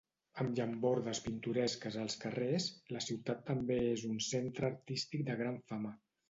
Amb llambordes pintoresques als carrers, la ciutat també és un centre artístic de gran fama.